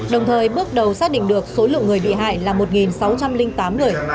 đồng thời bước đầu xác định được số lượng người bị hại là một sáu trăm linh tám người